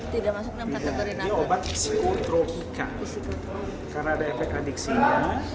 dia tidak menggunakan metropika karena ada efek adiksinya